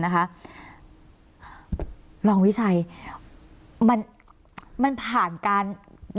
คุณจอมขอบพระคุณครับ